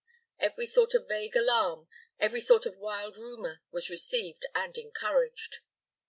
Every sort of vague alarm, every sort of wild rumor was received and encouraged.